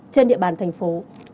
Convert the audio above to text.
trên địa bàn thành phố